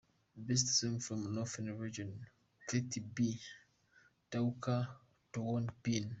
Best Song from Northern Region Pretty B – ”Dwoka Dwoni Piny’.